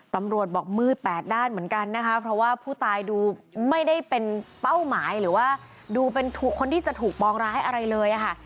ตำรวจบอกมืดแปดด้านเหมือนกันนะคะเพราะว่าผู้ตายดูไม่ได้เป็นเป้าหมายหรือว่าดูเป็นคนที่จะถูกปองร้ายอะไรเลยค่ะ